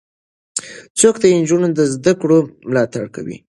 څوک د نجونو د زدهکړو ملاتړ کوي؟